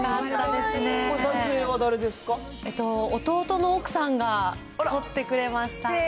これ、弟の奥さんが撮ってくれました。